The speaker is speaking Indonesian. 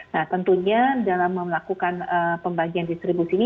nah tentunya dalam melakukan pembagian distribusi ini